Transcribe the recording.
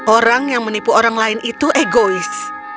orang yang menipu orang lain itu egois